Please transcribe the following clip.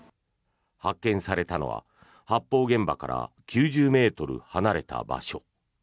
発見されたのは発砲現場から９０ｍ離れた場所。